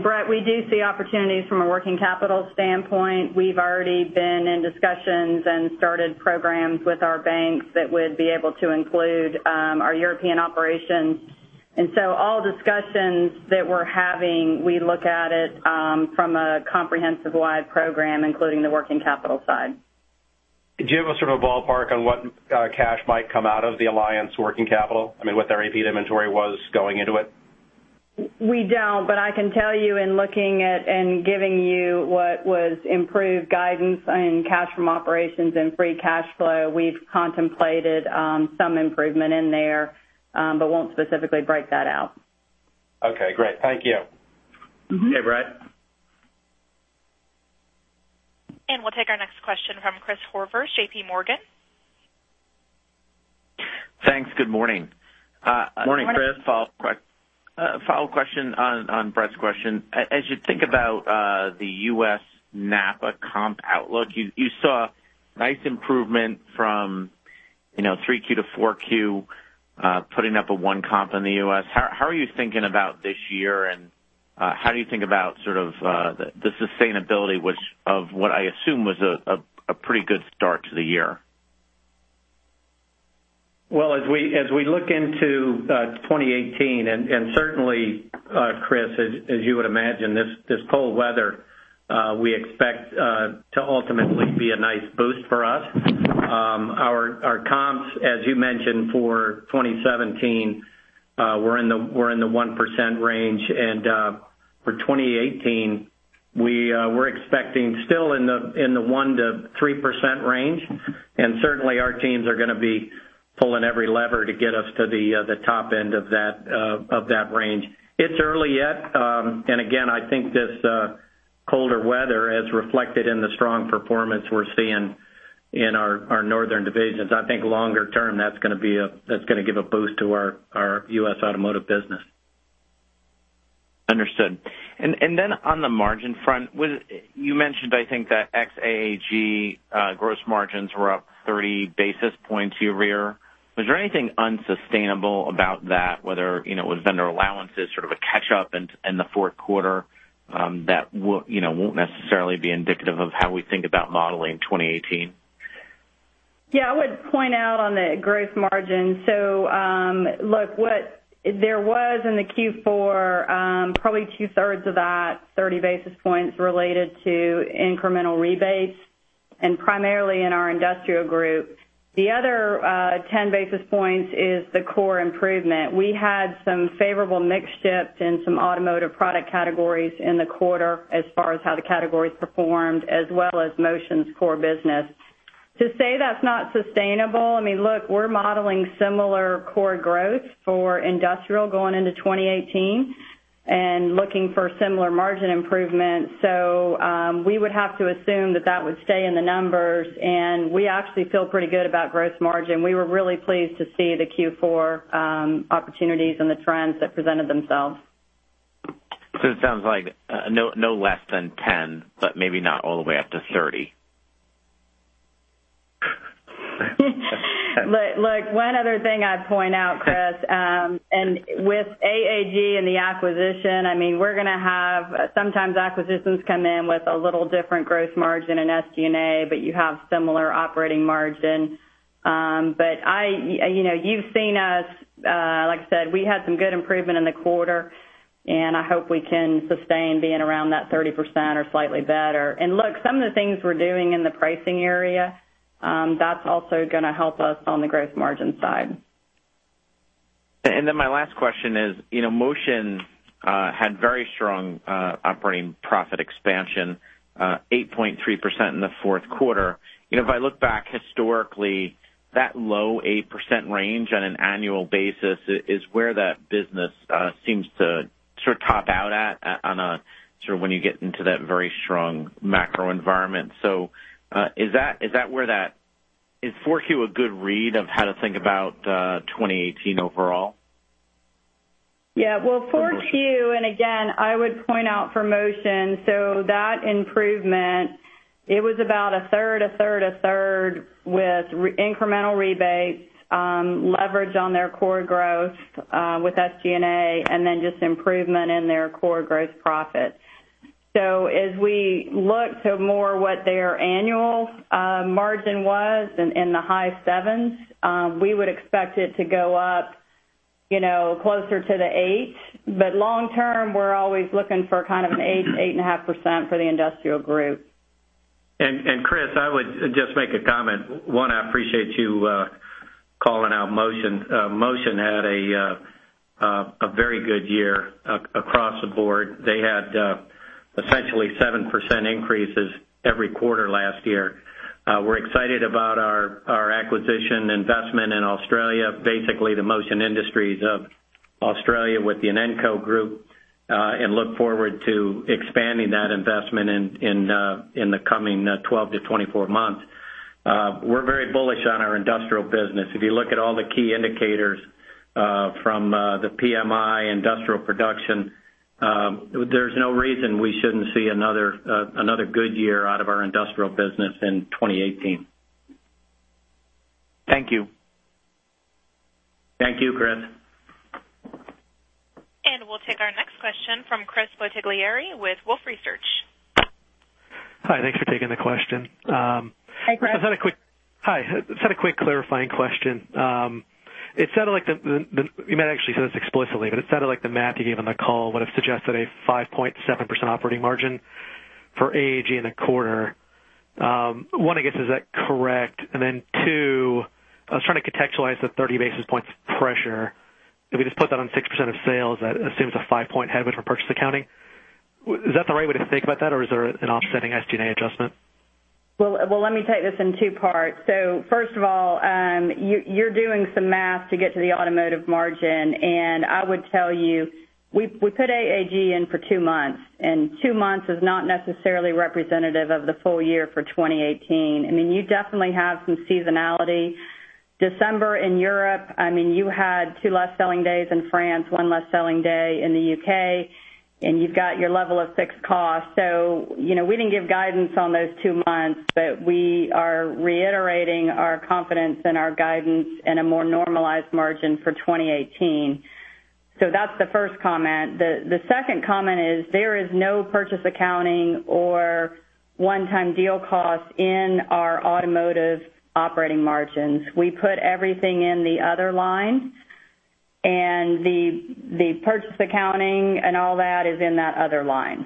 Bret, we do see opportunities from a working capital standpoint. We've already been in discussions and started programs with our banks that would be able to include our European operations. All discussions that we're having, we look at it from a comprehensive wide program, including the working capital side. Do you have a sort of a ballpark on what cash might come out of the Alliance working capital? I mean, what their AP inventory was going into it? We don't, but I can tell you in looking at and giving you what was improved guidance in cash from operations and free cash flow, we've contemplated some improvement in there. Won't specifically break that out. Okay, great. Thank you. Okay, Bret. We'll take our next question from Chris Horvers, JPMorgan. Thanks. Good morning. Morning, Chris. Good morning. A follow-up question on Bret's question. As you think about the U.S. NAPA comp outlook, you saw nice improvement from 3Q to 4Q, putting up a one comp in the U.S. How are you thinking about this year, how do you think about sort of the sustainability of what I assume was a pretty good start to the year? Well, as we look into 2018, certainly, Chris, as you would imagine, this cold weather We expect to ultimately be a nice boost for us. Our comps, as you mentioned, for 2017, were in the 1% range. For 2018, we're expecting still in the 1%-3% range. Certainly, our teams are going to be pulling every lever to get us to the top end of that range. It's early yet. Again, I think this colder weather has reflected in the strong performance we're seeing in our northern divisions. I think longer term, that's going to give a boost to our U.S. automotive business. Understood. On the margin front, you mentioned, I think, that ex AAG gross margins were up 30 basis points year-over-year. Was there anything unsustainable about that, whether it was vendor allowances, sort of a catch-up in the fourth quarter that won't necessarily be indicative of how we think about modeling 2018? Yeah. I would point out on the gross margin. What there was in the Q4, probably two-thirds of that 30 basis points related to incremental rebates, and primarily in our Industrial Group. The other 10 basis points is the core improvement. We had some favorable mix shifts in some automotive product categories in the quarter as far as how the categories performed, as well as Motion's core business. To say that's not sustainable, I mean, look, we're modeling similar core growth for industrial going into 2018 and looking for similar margin improvements. We would have to assume that that would stay in the numbers, and we actually feel pretty good about gross margin. We were really pleased to see the Q4 opportunities and the trends that presented themselves. It sounds like no less than 10, but maybe not all the way up to 30. Look, one other thing I'd point out, Chris, with AAG and the acquisition, I mean, sometimes acquisitions come in with a little different gross margin in SG&A, but you have similar operating margin. You've seen us, like I said, we had some good improvement in the quarter, and I hope we can sustain being around that 30% or slightly better. Look, some of the things we're doing in the pricing area, that's also going to help us on the gross margin side. My last question is, Motion had very strong operating profit expansion, 8.3% in the fourth quarter. If I look back historically, that low 8% range on an annual basis is where that business seems to sort of top out at when you get into that very strong macro environment. Is 4Q a good read of how to think about 2018 overall? Yeah. 4Q, again, I would point out for Motion, that improvement, it was about a third, a third, a third with incremental rebates, leverage on their core growth with SG&A, then just improvement in their core gross profit. As we look to more what their annual margin was in the high sevens, we would expect it to go up closer to the eight. Long term, we're always looking for kind of an 8%, 8.5% for the Industrial Group. Chris, I would just make a comment. One, I appreciate you calling out Motion. Motion had a very good year across the board. They had essentially 7% increases every quarter last year. We're excited about our acquisition investment in Australia, basically the Motion Industries of Australia with the Inenco Group, look forward to expanding that investment in the coming 12-24 months. We're very bullish on our industrial business. If you look at all the key indicators from the PMI industrial production, there's no reason we shouldn't see another good year out of our industrial business in 2018. Thank you. Thank you, Chris. We'll take our next question from Chris Bottiglieri with Wolfe Research. Hi, thanks for taking the question. Hi, Chris. Hi. I just had a quick clarifying question. You might have actually said this explicitly, but it sounded like the math you gave on the call would have suggested a 5.7% operating margin for AAG in the quarter. One, I guess, is that correct? Two, I was trying to contextualize the 30 basis points pressure. If we just put that on 6% of sales, that assumes a five-point hedge from purchase accounting. Is that the right way to think about that, or is there an offsetting SG&A adjustment? Well, let me take this in two parts. First of all, you're doing some math to get to the automotive margin, and I would tell you, we put AAG in for two months, and two months is not necessarily representative of the full year for 2018. I mean, you definitely have some seasonality. December in Europe, I mean, you had two less selling days in France, one less selling day in the U.K., and you've got your level of fixed costs. We didn't give guidance on those two months, but we are reiterating our confidence in our guidance and a more normalized margin for 2018. That's the first comment. The second comment is there is no purchase accounting or one-time deal cost in our automotive operating margins. We put everything in the other line The purchase accounting and all that is in that other line.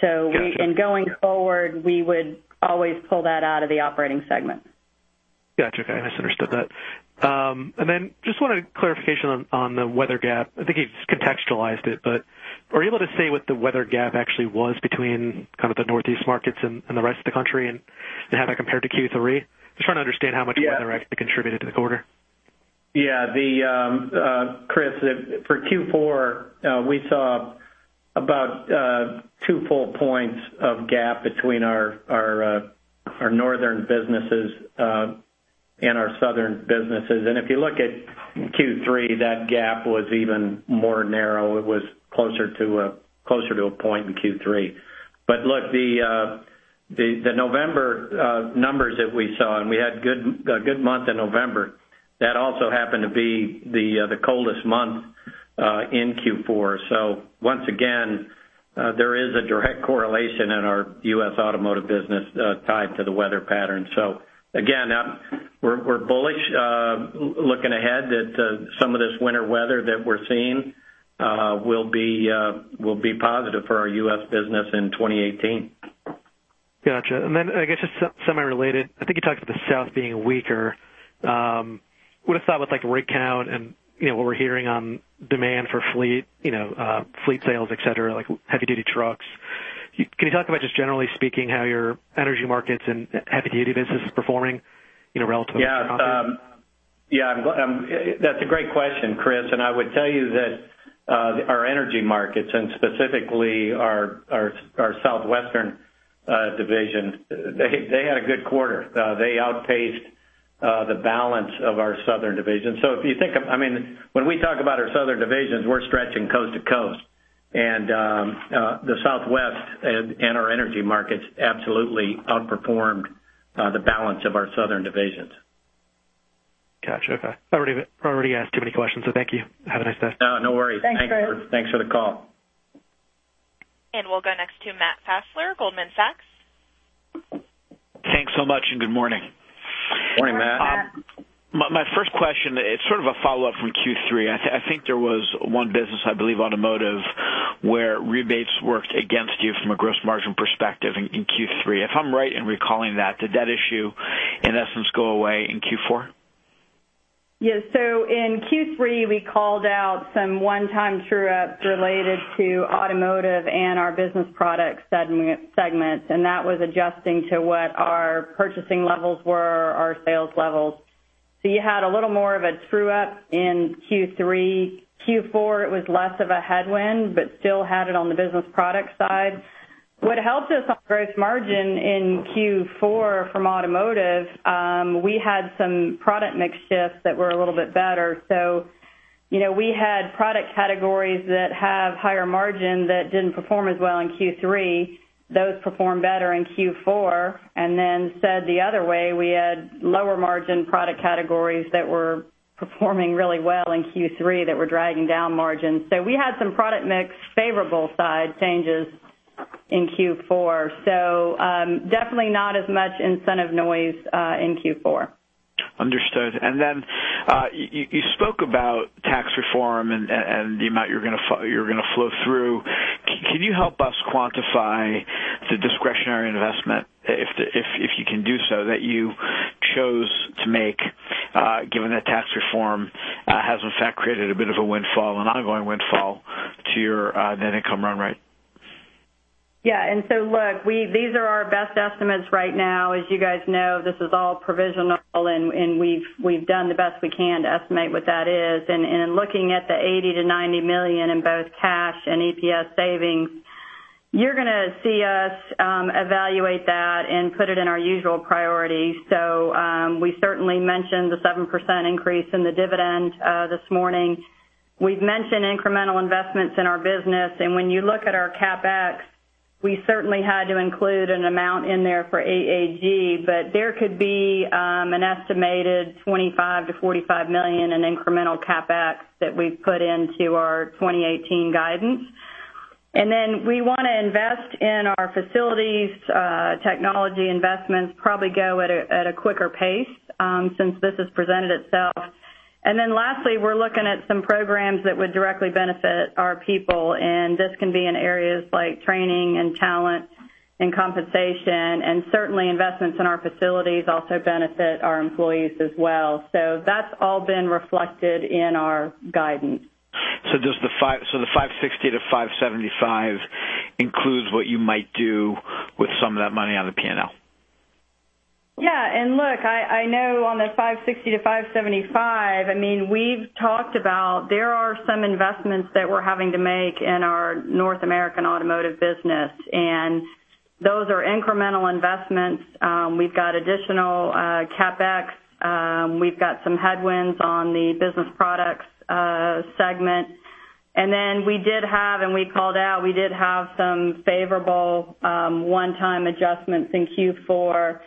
Got you. Going forward, we would always pull that out of the operating segment. Got you. Okay. I misunderstood that. Just wanted clarification on the weather gap. I think you contextualized it, but are you able to say what the weather gap actually was between kind of the Northeast markets and the rest of the country, and how that compared to Q3? Just trying to understand how much weather- Yeah actually contributed to the quarter. Yeah. Chris, for Q4, we saw about 2 full points of gap between our northern businesses and our southern businesses. If you look at Q3, that gap was even more narrow. It was closer to 1 point in Q3. Look, the November numbers that we saw, and we had a good month in November, that also happened to be the coldest month in Q4. Once again, there is a direct correlation in our U.S. automotive business tied to the weather pattern. Again, we're bullish looking ahead that some of this winter weather that we're seeing will be positive for our U.S. business in 2018. Got you. I guess just somewhat related, I think you talked about the South being weaker. What is that with, rig count and what we're hearing on demand for fleet sales, et cetera, like heavy-duty trucks? Can you talk about, just generally speaking, how your energy markets and heavy-duty business is performing, relative to the? Yeah. That's a great question, Chris. I would tell you that our energy markets, and specifically our Southwestern division, they had a good quarter. They outpaced the balance of our southern division. If you think of when we talk about our southern divisions, we're stretching coast to coast. The Southwest and our energy markets absolutely outperformed the balance of our southern divisions. Got you. Okay. I already asked too many questions, thank you. Have a nice day. No, no worries. Thanks, Chris. Thanks for the call. We'll go next to Matt Fassler, Goldman Sachs. Thanks so much, and good morning. Morning, Matt. My first question, it's sort of a follow-up from Q3. I think there was one business, I believe automotive, where rebates worked against you from a gross margin perspective in Q3. If I'm right in recalling that, did that issue, in essence, go away in Q4? Yeah. In Q3, we called out some one-time true-ups related to automotive and our Business Products Group. That was adjusting to what our purchasing levels were, our sales levels. You had a little more of a true-up in Q3. Q4, it was less of a headwind, but still had it on the business product side. What helped us on gross margin in Q4 from automotive, we had some product mix shifts that were a little bit better. We had product categories that have higher margin that didn't perform as well in Q3. Those performed better in Q4. Then said the other way, we had lower margin product categories that were performing really well in Q3 that were dragging down margins. We had some product mix favorable side changes in Q4. Definitely not as much incentive noise in Q4. Understood. Then you spoke about tax reform and the amount you're going to flow through. Can you help us quantify the discretionary investment, if you can do so, that you chose to make, given that tax reform has in fact created a bit of a windfall, an ongoing windfall to your net income run rate? Yeah. Look, these are our best estimates right now. As you guys know, this is all provisional, and we've done the best we can to estimate what that is. Looking at the $80 million-$90 million in both cash and EPS savings, you're going to see us evaluate that and put it in our usual priorities. We certainly mentioned the 7% increase in the dividend this morning. We've mentioned incremental investments in our business. When you look at our CapEx, we certainly had to include an amount in there for AAG, but there could be an estimated $25 million-$45 million in incremental CapEx that we've put into our 2018 guidance. Then we want to invest in our facilities, technology investments probably go at a quicker pace since this has presented itself. Lastly, we're looking at some programs that would directly benefit our people. This can be in areas like training and talent and compensation. Certainly investments in our facilities also benefit our employees as well. That's all been reflected in our guidance. The $5.60-$5.75 includes what you might do with some of that money on the P&L? Look, I know on the $5.60-$5.75, we've talked about there are some investments that we're having to make in our North American automotive business. Those are incremental investments. We've got additional CapEx. We've got some headwinds on the Business Products Group. We did have, and we called out, we did have some favorable one-time adjustments in Q4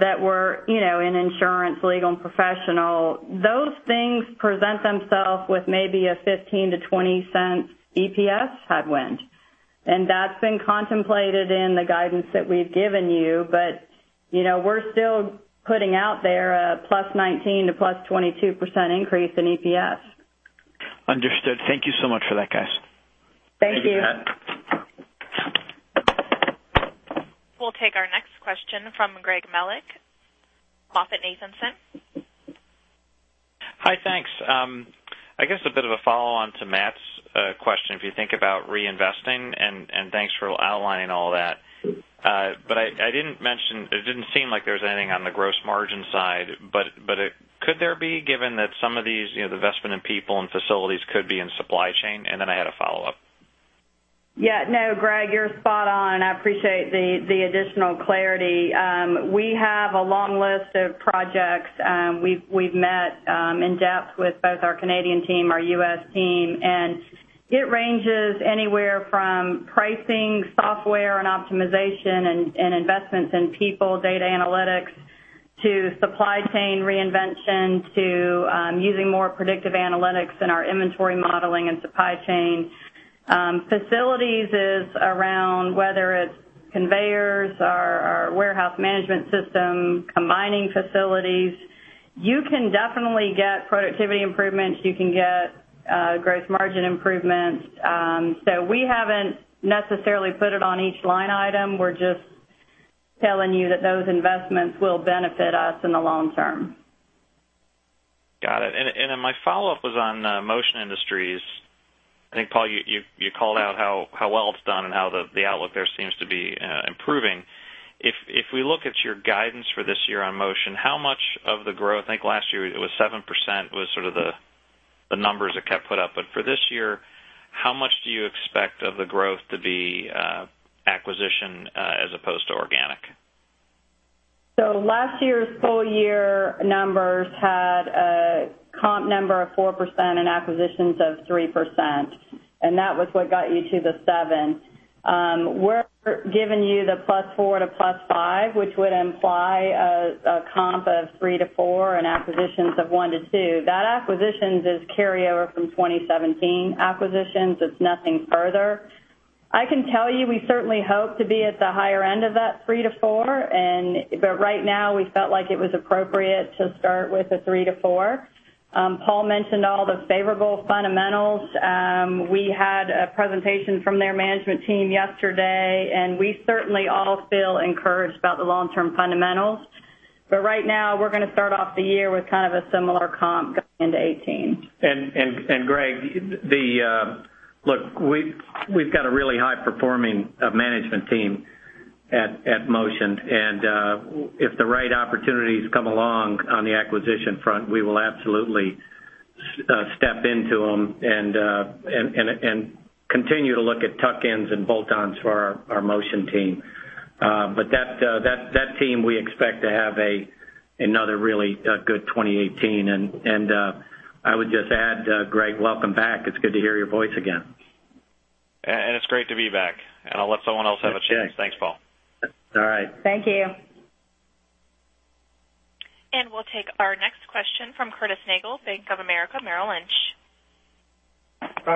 that were in insurance, legal, and professional. Those things present themselves with maybe a $0.15-$0.20 EPS headwind. That's been contemplated in the guidance that we've given you. We're still putting out there a +19% to +22% increase in EPS. Understood. Thank you so much for that, guys. Thank you. Thank you, Matt. We'll take our next question from Greg Melich, MoffettNathanson. Hi, thanks. I guess a bit of a follow-on to Matt's question, if you think about reinvesting, and thanks for outlining all that. It didn't seem like there was anything on the gross margin side, but could there be, given that some of these, the investment in people and facilities could be in supply chain? I had a follow-up. Yeah. No, Greg, you're spot on. I appreciate the additional clarity. We have a long list of projects. We've met in-depth with both our Canadian team, our U.S. team, and it ranges anywhere from pricing software and optimization and investments in people, data analytics, to supply chain reinvention, to using more predictive analytics in our inventory modeling and supply chain. Facilities is around whether it's conveyors or our warehouse management system, combining facilities. You can definitely get productivity improvements. You can get gross margin improvements. We haven't necessarily put it on each line item. We're just telling you that those investments will benefit us in the long term. Got it. My follow-up was on Motion Industries. I think, Paul, you called out how well it's done and how the outlook there seems to be improving. If we look at your guidance for this year on Motion, how much of the growth, I think last year it was 7%, was sort of the numbers that kept put up. For this year, how much do you expect of the growth to be acquisition as opposed to organic? Last year's full year numbers had a comp number of 4% and acquisitions of 3%, and that was what got you to the 7. We're giving you the +4% to +5%, which would imply a comp of 3%-4% and acquisitions of 1%-2%. That acquisitions is carryover from 2017 acquisitions. It's nothing further. I can tell you, we certainly hope to be at the higher end of that 3%-4%. Right now, we felt like it was appropriate to start with a 3%-4%. Paul mentioned all the favorable fundamentals. We had a presentation from their management team yesterday, and we certainly all feel encouraged about the long-term fundamentals. Right now, we're going to start off the year with kind of a similar comp going into 2018. Greg, look, we've got a really high-performing management team at Motion, if the right opportunities come along on the acquisition front, we will absolutely step into them and continue to look at tuck-ins and bolt-ons for our Motion team. That team, we expect to have another really good 2018, I would just add, Greg, welcome back. It's good to hear your voice again. It's great to be back, I'll let someone else have a chance. Okay. Thanks, Paul. All right. Thank you. We'll take our next question from Curtis Nagle, Bank of America Merrill Lynch.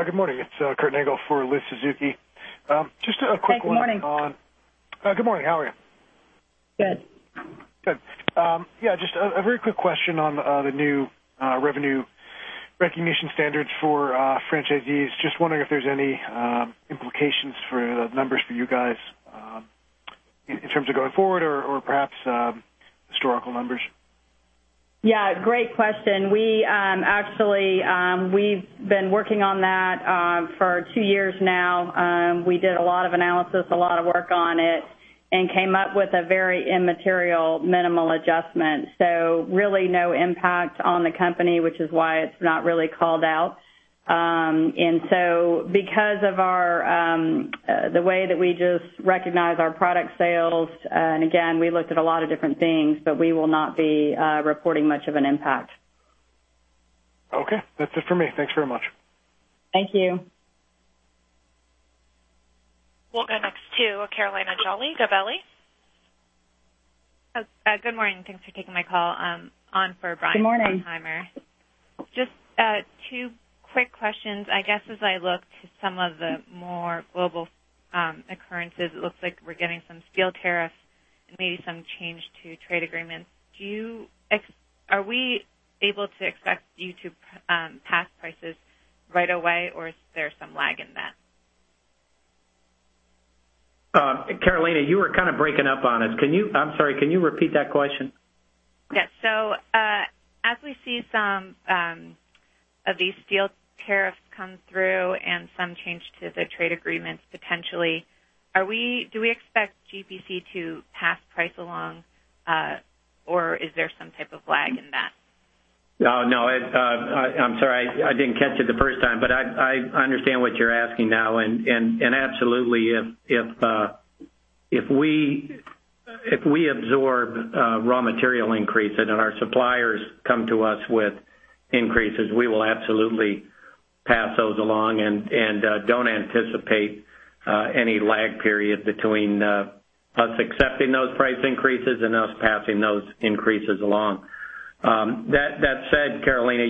Good morning. It's Curtis Nagle for Liz Suzuki. Just a quick one on- Good morning. Good morning. How are you? Good. Good. Yeah, just a very quick question on the new revenue recognition standards for franchisees. Just wondering if there's any implications for the numbers for you guys in terms of going forward or perhaps historical numbers. Yeah, great question. We've been working on that for two years now. We did a lot of analysis, a lot of work on it, and came up with a very immaterial minimal adjustment. Really no impact on the company, which is why it's not really called out. Because of the way that we just recognize our product sales, and again, we looked at a lot of different things, but we will not be reporting much of an impact. Okay. That's it for me. Thanks very much. Thank you. We'll go next to Carolina Jolly, Gabelli. Good morning. Thanks for taking my call. On for Brian. Good morning Haimann. Just two quick questions. I guess as I look to some of the more global occurrences, it looks like we're getting some steel tariffs and maybe some change to trade agreements. Are we able to expect you to pass prices right away, or is there some lag in that? Carolina, you were kind of breaking up on us. I'm sorry, can you repeat that question? Yes. As we see some of these steel tariffs come through and some change to the trade agreements potentially, do we expect GPC to pass price along, or is there some type of lag in that? No. I'm sorry. I didn't catch it the first time, but I understand what you're asking now, and absolutely, if we absorb raw material increases and our suppliers come to us with increases, we will absolutely pass those along and don't anticipate any lag period between us accepting those price increases and us passing those increases along. That said, Carolina,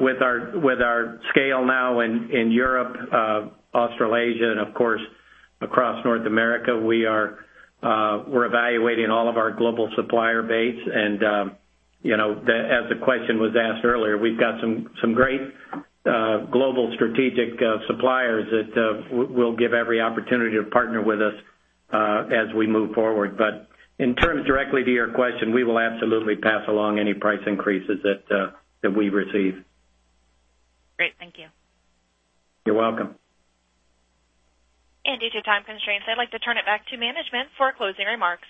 with our scale now in Europe, Australasia, and of course, across North America, we're evaluating all of our global supplier base. As the question was asked earlier, we've got some great global strategic suppliers that we'll give every opportunity to partner with us as we move forward. In terms directly to your question, we will absolutely pass along any price increases that we receive. Great. Thank you. You're welcome. Due to time constraints, I'd like to turn it back to management for closing remarks.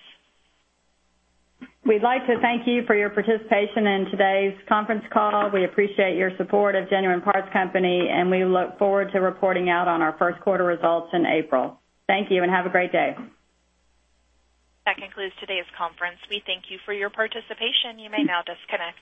We'd like to thank you for your participation in today's conference call. We appreciate your support of Genuine Parts Company, and we look forward to reporting out on our first quarter results in April. Thank you, and have a great day. That concludes today's conference. We thank you for your participation. You may now disconnect.